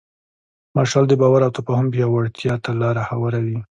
مشعل د باور او تفاهم پیاوړتیا ته لاره هواروي.